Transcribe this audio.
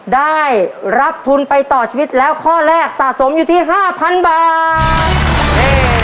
ได้รับทุนไปต่อชีวิตแล้วข้อแรกสะสมอยู่ที่ห้าพันบาท